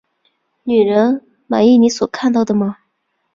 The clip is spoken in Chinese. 女人，满意你所看到的吗？